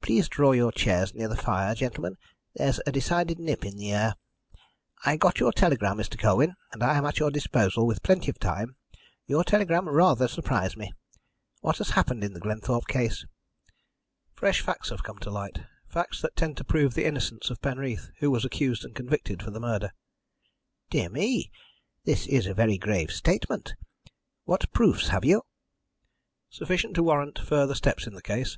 Please draw your chairs near the fire gentlemen there's a decided nip in the air. I got your telegram, Mr. Colwyn, and I am at your disposal, with plenty of time. Your telegram rather surprised me. What has happened in the Glenthorpe case?" "Fresh facts have come to light facts that tend to prove the innocence of Penreath, who was accused and convicted for the murder." "Dear me! This is a very grave statement. What proofs have you?" "Sufficient to warrant further steps in the case.